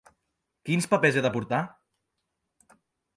Quins papers he de portar?